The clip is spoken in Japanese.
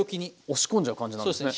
押し込んじゃう感じなんですね。